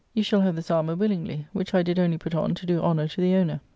You shall have this armour wil lingly, which I did only put on to do honour to the owner."